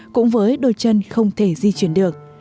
cũng với đôi chân không thể di chuyển được